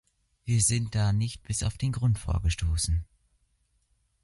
Wir sind da nicht bis auf den Grund vorgestoßen.